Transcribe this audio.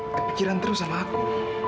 kepikiran terus sama aku